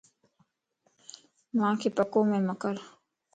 مانک پڪو مَ مڪر